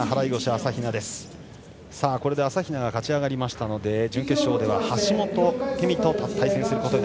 朝比奈が勝ち上がりましたので準決勝では橋本朱未と対戦です。